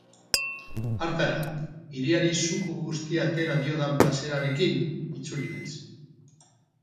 Hartara, hiriari zuku guztia atera diodan plazerarekin itzuli naiz.